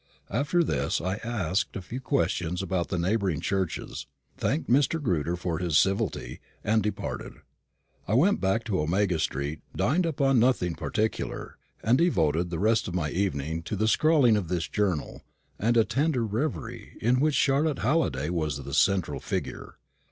After this I asked a few questions about the neighbouring churches, thanked Mr. Grewter for his civility, and departed. I went back to Omega street, dined upon nothing particular, and devoted the rest of my evening to the scrawling of this journal, and a tender reverie, in which Charlotte Halliday was the central figure.